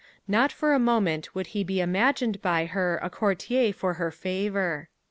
Not for a moment would he be imagined by her a courtier for her favor.